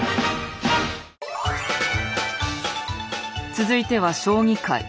続いては将棋界。